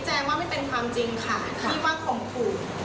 แต่เรื่องขมขู่ฆ่าไม่มีแน่นอนค่ะ